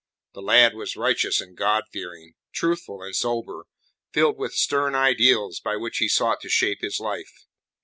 The lad was righteous and God fearing, truthful and sober, filled with stern ideals by which he sought to shape his life.